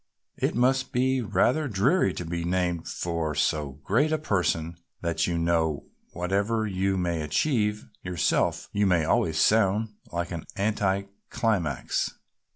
It must be rather dreary to be named for so great a person that you know whatever you may achieve yourself you must always sound like an anti climax."